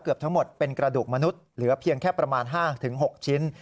ทั้งหมดเป็นกระดูกมนุษย์เหลือเพียงแค่ประมาณ๕๖ชิ้น